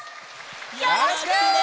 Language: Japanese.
よろしくね！